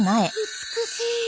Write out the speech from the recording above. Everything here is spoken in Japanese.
美しい。